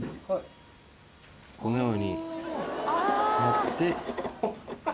このようになって。